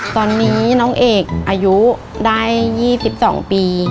ตอนนี้น้องเอกอายุได้๒๒ปี